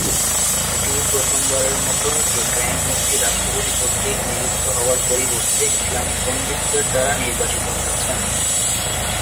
এটিই প্রথমবারের মতো যে গ্র্যান্ড মুফতি রাষ্ট্রপতি কর্তৃক নিযুক্ত হওয়ার পরিবর্তে ইসলামী পণ্ডিতদের দ্বারা নির্বাচিত হয়েছেন।